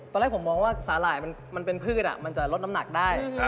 ตอนแรกผมมองว่าสาหร่ายมันเป็นพืชมันจะลดน้ำหนักได้